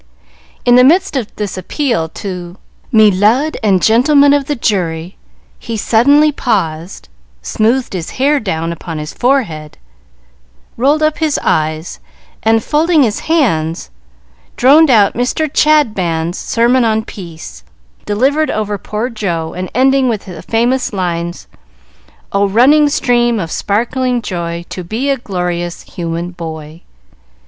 In the midst of this appeal to "Me lud and gentlemen of the jury," he suddenly paused, smoothed his hair down upon his forehead, rolled up his eyes, and folding his hands, droned out Mr. Chadband's sermon on Peace, delivered over poor Jo, and ending with the famous lines: "Oh, running stream of sparkling joy, To be a glorious human boy!"